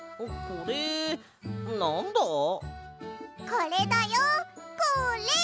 これだよこれ！